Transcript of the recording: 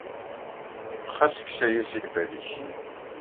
Ɣas kkes aya seg lbal-nnek!